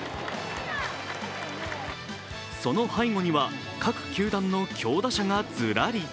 その背後には、各球団の強打者がずらり。